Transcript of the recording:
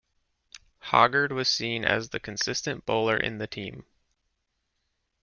Hoggard was seen as the consistent bowler in the team.